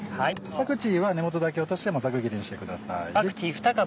パクチーは根元だけ落としてざく切りにしてください。